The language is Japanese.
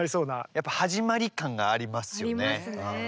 やっぱ始まり感がありますよね。ありますね。